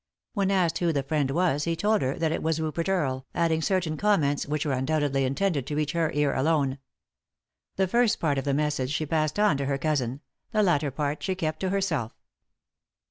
When asked who the friend was he told her that it was Rupert Earle, adding certain comments which were undoubtedly intended to reach her ear alone. The first part of the message she passed on to her cousin ; the latter part she kept to herself.